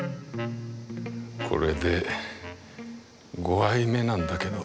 これで５杯目なんだけど。